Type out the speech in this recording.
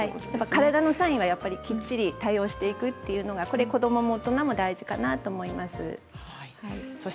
体のサインにきっちり対応していくというのはこれは大人も子どもも大事かなと思います。